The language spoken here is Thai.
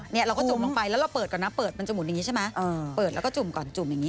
เราก็จุ่มลงไปแล้วเราเปิดก่อนนะเปิดมันจะหุ่นอย่างนี้ใช่ไหมเปิดแล้วก็จุ่มก่อนจุ่มอย่างนี้